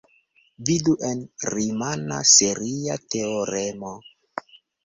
Vidu en "rimana seria teoremo".